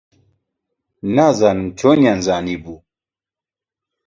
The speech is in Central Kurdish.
نازانم چۆنیان زانیبوو.